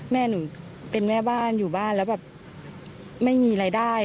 แม่หนูเป็นแม่บ้านอยู่บ้านแล้วแบบไม่มีรายได้